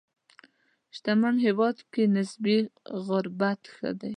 شتمن هېواد کې نسبي غربت ښه دی.